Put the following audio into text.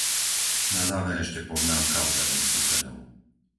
Na záver ešte poznámka ohľadom susedov.